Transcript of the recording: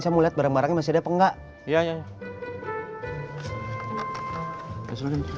saya mau lihat barang barangnya masih ada apa enggak